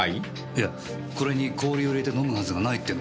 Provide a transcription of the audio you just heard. いやこれに氷を入れて飲むはずがないってのは。